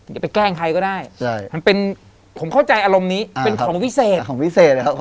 อย่าไปแกล้งใครก็ได้ผมเข้าใจอารมณ์นี้เป็นของวิเศษ